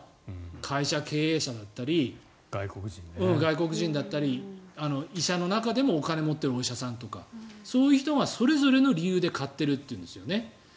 会社経営者だったり外国人だったり、医者の中でもお金を持っているお医者さんとかそういう人がそれぞれの理由で買っているというんですよね。